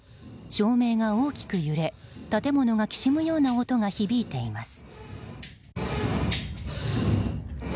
照明が大きく揺れ、建物がきしむような音が響いています。